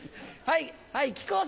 はい。